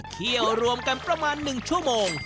เที่ยวรวมกันประมาณ๑ชั่วโมง